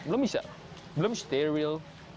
belum bisa belum steril